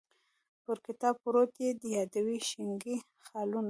پر کتاب پروت یې یادوې شینکي خالونه